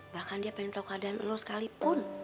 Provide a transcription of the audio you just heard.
bahkan dia pengen tau keadaan lo sekalipun